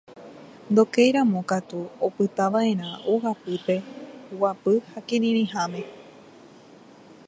Ndokéiramo katu opytava'erã ogapýpe guapy ha kirirĩháme.